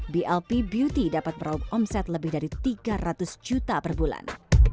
blp beauty dapat meraup omset lebih dari tiga ratus juta per bulan